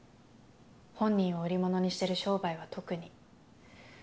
本人を売り物にしてる商売は特に。